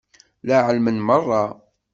Llan ɛelmen merra.